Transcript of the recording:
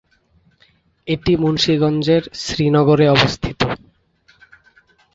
এটি মুন্সিগঞ্জের শ্রীনগরে অবস্থিত।